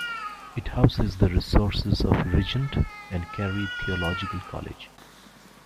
It houses the resources of Regent and Carey Theological College.